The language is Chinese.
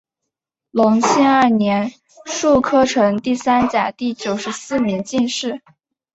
隆庆二年戊辰科第三甲第九十四名进士。